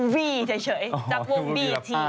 วี่เฉยจากวงบีที